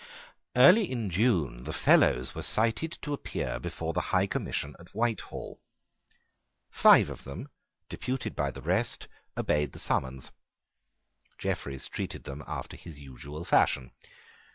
Early in June the Fellows were cited to appear before the High Commission at Whitehall. Five of them, deputed by the rest, obeyed the summons. Jeffreys treated them after his usual fashion.